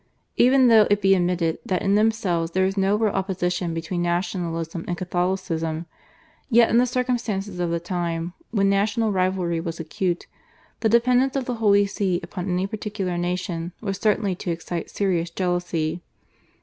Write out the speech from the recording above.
Even though it be admitted that in themselves there is no real opposition between Nationalism and Catholicism, yet in the circumstances of the time, when national rivalry was acute, the dependence of the Holy See upon any particular nation was certain to excite serious jealousy.